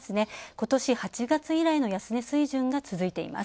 ことし８月以来の安値水準が続いています。